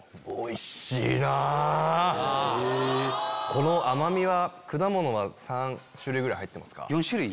この甘みは果物が３種類ぐらい入ってますか？